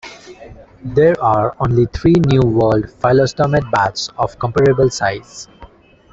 There are only three New World phyllostomid bats of comparable size.